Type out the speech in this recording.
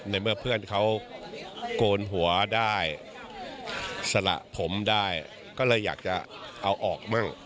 ในเมื่อเพื่อนเขาโกนหัวได้สละผมได้ก็เลยอยากจะเอาออกมั่ง